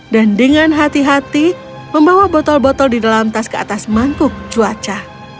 dan dengan hati hati membawa botol botol di dalam tas ke atas mangkuk cuaca